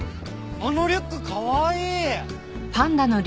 あのリュックかわいい！